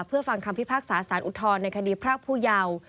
เพื่อฟังคำพิพากษาสารอุทธรณ์ในคดีพรากผู้เยาว์